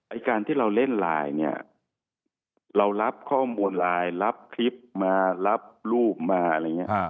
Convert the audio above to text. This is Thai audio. ไอ้การที่เราเล่นไลน์เนี่ยเรารับข้อมูลไลน์รับคลิปมารับรูปมาอะไรอย่างนี้